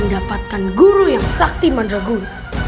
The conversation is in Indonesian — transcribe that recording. mendapatkan guru yang sakti mandagun